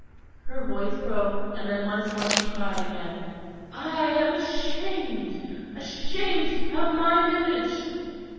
Her voice broke, and then once more she cried again. "I am ashamed, ashamed of my village."